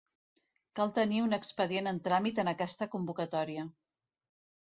Cal tenir un expedient en tràmit en aquesta convocatòria.